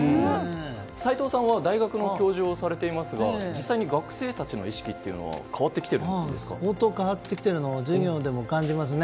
齋藤さんは大学の教授をされていますが実際に学生たちの意識は相当、変わってきているのを授業でも感じますね。